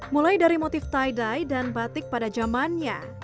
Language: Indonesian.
mulai dari motif tie dy dan batik pada zamannya